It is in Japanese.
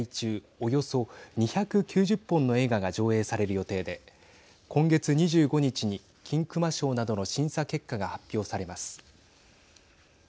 およそ２９０本の映画が上映される予定で今月２５日に金熊賞などの審査結果が発表されます。